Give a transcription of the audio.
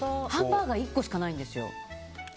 ハンバーガーは１個しかないんですよ。